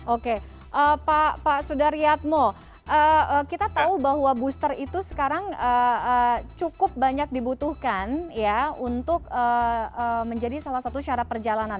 oke pak sudaryatmo kita tahu bahwa booster itu sekarang cukup banyak dibutuhkan ya untuk menjadi salah satu syarat perjalanan